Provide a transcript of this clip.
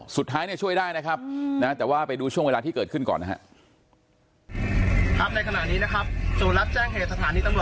สุดท้ายช่วยได้นะครับแต่ว่าไปดูช่วงเวลาที่เกิดขึ้นก่อนนะครับ